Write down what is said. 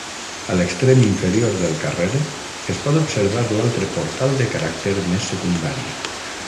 A l'extrem inferior del carrer es pot observar l'altre portal de caràcter més secundari.